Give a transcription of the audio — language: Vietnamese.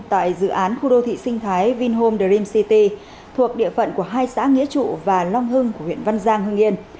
tại dự án khu đô thị sinh thái vinhom dream city thuộc địa phận của hai xã nghĩa trụ và long hưng của huyện văn giang hưng yên